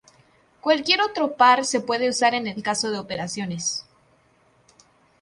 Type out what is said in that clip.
Cualquier otro par se puede usar en el caso de operaciones.